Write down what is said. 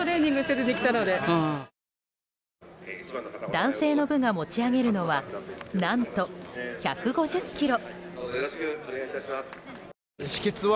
男性の部が持ち上げるのは何と１５０ｋｇ。